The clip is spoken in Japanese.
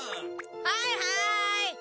はいはい！